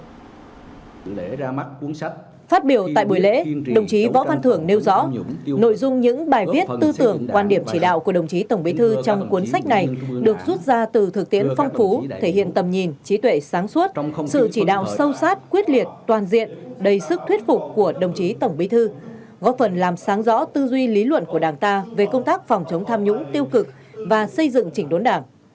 dự lễ ra mắt cuốn sách phát biểu tại buổi lễ đồng chí võ văn thưởng nêu rõ nội dung những bài viết tư tưởng quan điểm chỉ đạo của đồng chí tổng bí thư trong cuốn sách này được rút ra từ thực tiễn phong phú thể hiện tầm nhìn trí tuệ sáng suốt sự chỉ đạo sâu sát quyết liệt toàn diện đầy sức thuyết phục của đồng chí tổng bí thư góp phần làm sáng rõ tư duy lý luận của đảng ta về công tác phòng chống tham nhũng tiêu cực và xây dựng chỉnh đốn đảng